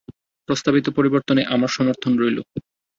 প্রস্তাবিত পরিবর্তনে আমার সমর্থন রইলো।